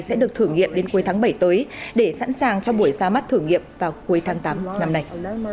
sẽ được thử nghiệm đến cuối tháng bảy tới để sẵn sàng cho buổi ra mắt thử nghiệm vào cuối tháng tám năm nay